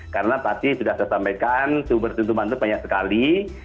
karena tadi sudah saya sampaikan sumber dentuman itu banyak sekali